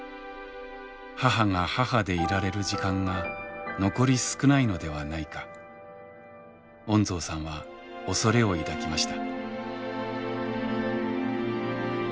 母が母でいられる時間が残り少ないのではないか恩蔵さんは恐れを抱きました。